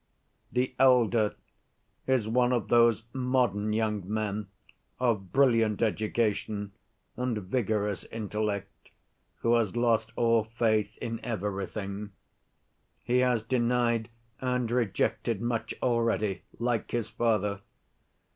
"The elder is one of those modern young men of brilliant education and vigorous intellect, who has lost all faith in everything. He has denied and rejected much already, like his father.